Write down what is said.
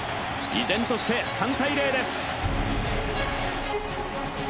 依然として３−０です。